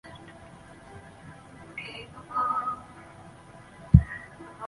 短促京黄芩为唇形科黄芩属下的一个变种。